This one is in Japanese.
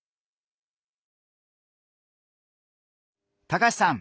高橋さん。